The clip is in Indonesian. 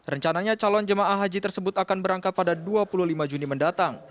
rencananya calon jemaah haji tersebut akan berangkat pada dua puluh lima juni mendatang